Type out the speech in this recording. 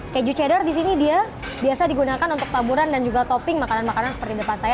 keju cheddar di sini dia biasa digunakan untuk taburan dan juga topping makanan makanan seperti depan saya